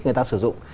người ta sử dụng